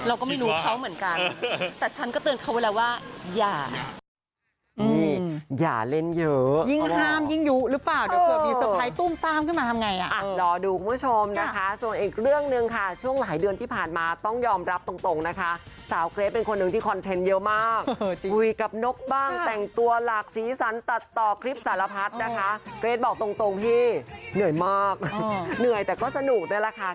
เราก็ไม่รู้เขาเหมือนกันแต่ฉันก็เตือนเขาไว้แล้วว่าอย่า